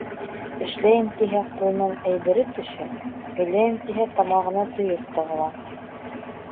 Эшләйем тиһә, ҡулынан әйбере төшә, һөйләйем тиһә, тамағына төйөр тығыла.